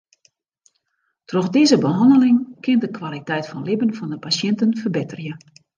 Troch dizze behanneling kin de kwaliteit fan libben fan de pasjinten ferbetterje.